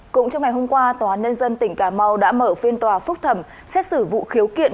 cũng trong ngày hôm qua tòa nhân dân tỉnh cà mau đã mở phiên tòa phúc thẩm xét xử vụ khiếu kiện